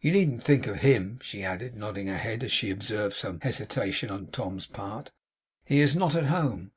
You needn't think of HIM,' she added, nodding her head as she observed some hesitation on Tom's part. 'He is not at home.